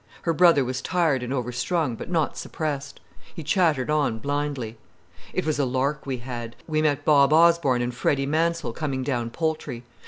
Her brother was tired and overstrung, but not suppressed. He chattered on blindly. "It was a lark we had! We met Bob Osborne and Freddy Mansell coming down Poultry.